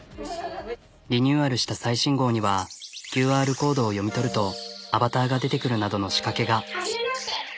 リニューアルした最新号にはＱＲコードを読み取るとアバターが出てくるなどの仕掛けが。